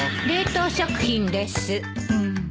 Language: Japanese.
冷凍食品です。